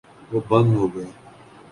وہ بند ہو گئے۔